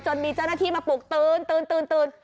จนมีเจ้าหน้าที่มาปลูกตื้นตื้นตื้นตื้น